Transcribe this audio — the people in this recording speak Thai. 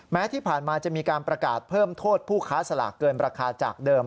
แม้ที่ผ่านมาจะมีการประกาศเพิ่มโทษผู้ค้าสลากเกินราคาจากเดิม